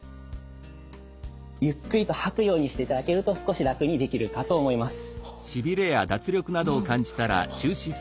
ゆっくりと吐くようにしていただけると少し楽にできるかと思います。